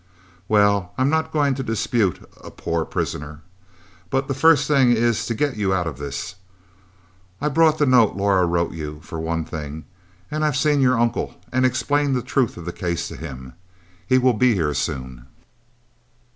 "Well, I'm not going to dispute a poor prisoner. But the first thing is to get you out of this. I've brought the note Laura wrote you, for one thing, and I've seen your uncle, and explained the truth of the case to him. He will be here soon."